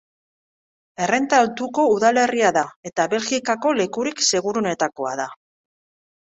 Errenta altuko udalerria da eta Belgikako lekurik seguruenetakoa da.